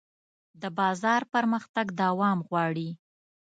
د بازار پرمختګ دوام غواړي.